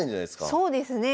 そうですね。